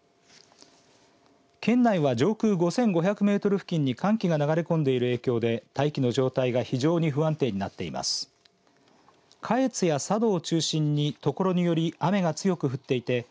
県内は上空５５００メートル付近に寒気が流れ込んでいる影響で大気の状態が非常に不安定になっています。